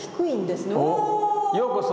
ようこそ。